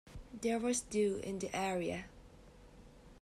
There was dew in the area.